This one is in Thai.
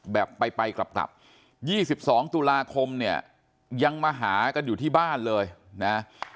แบบไปกลับ๒๒ตุลาคมเนี่ยยังมาหากันอยู่ที่บ้านเลยนะ